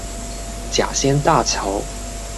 甲仙大橋